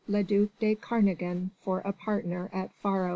le duc de Kernogan for a partner at faro.